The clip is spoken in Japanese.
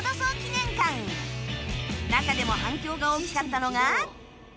中でも反響が大きかったのが